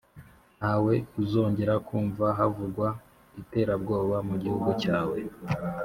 nta we uzongera kumva havugwa iterabwoba mu gihugu cyawe,